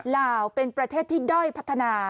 ลาวเป็นประเทศที่ด้อยพัฒนา